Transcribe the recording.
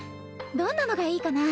どんなのがいいかな？